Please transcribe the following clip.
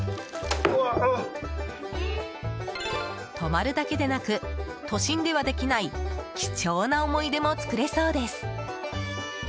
泊まるだけでなく都心ではできない貴重な思い出も作れそうです。